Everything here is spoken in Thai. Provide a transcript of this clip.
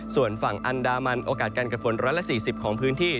ส่วนฝั่งอันดามันโอกาสการเกิดฝน๑๔๐ของพื้นที่